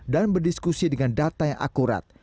dan berdiskusi dengan data yang akurat